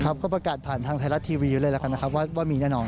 ครับก็ประกาศผ่านทางไทยรัฐทีวีเลยแล้วกันนะครับว่ามีแน่นอน